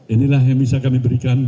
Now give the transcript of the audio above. inilah yang bisa kami berikan